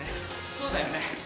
そうだよね。